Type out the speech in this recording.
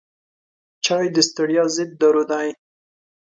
چای د ستړیا ضد دارو دی.